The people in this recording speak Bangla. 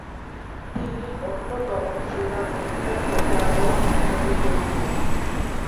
তিনি অন্যতম সেরা মুসলিম ধর্মপ্রচারক হিসাবে পরিচিত ছিলেন।